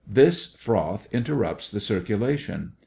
This froth interrupts the circulation.